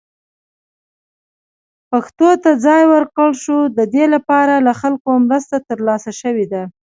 پښتو ته ځای ورکړل شو، د دې لپاره له خلکو مرسته ترلاسه شوې ده.